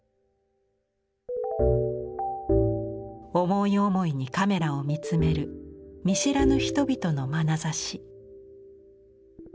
思い思いにカメラを見つめる見知らぬ人々のまなざし。